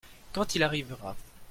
Quand il arrivera.